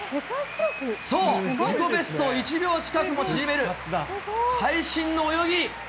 そう、自己ベストを１秒近くも縮める会心の泳ぎ。